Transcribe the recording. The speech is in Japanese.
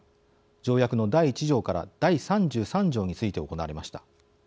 条約の第１条から第３３条について行われました。